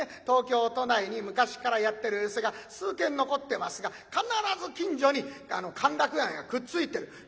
東京都内に昔からやってる寄席が数軒残ってますが必ず近所に歓楽街がくっついてる。